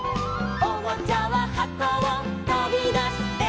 「おもちゃははこをとびだして」